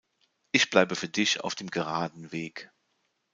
Ich bleibe für dich auf dem geraden Weg.